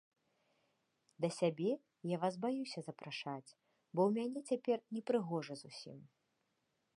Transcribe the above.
Да сябе я вас баюся запрашаць, бо ў мяне цяпер непрыгожа зусім.